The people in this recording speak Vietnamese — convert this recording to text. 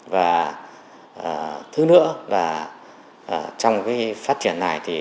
và thứ nữa trong phát triển này